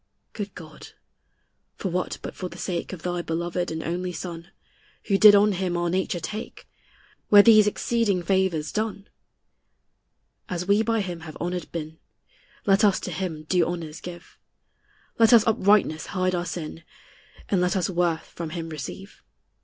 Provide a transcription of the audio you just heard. Good God, for what but for the sake Of thy beloved and only Son, Who did on him our nature take, Were these exceeding favors done? As we by him have honored been, Let us to him due honors give; Let us uprightness hide our sin, And let us worth from him receive.